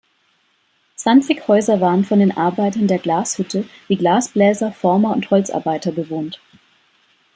Zwanzig Häuser waren von den Arbeitern der Glashütte, wie Glasbläser, Former und Holzarbeiter bewohnt.